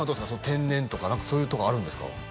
天然とかそういうとこあるんですか？